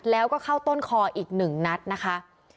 แล้วก็เข้าต้นคออีก๑นัดนะคะ